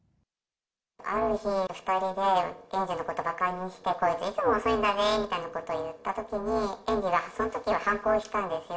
ある日、２人で園児のことばかにして、こいつ、いつも遅いんだぜーみたいなことを言ったときに、園児がそのときは反抗したんですよ。